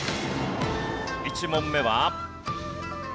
１問目は。